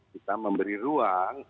kita memberi ruang